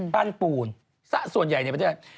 ปั้นปูนส่วนใหญ่ในประเทศ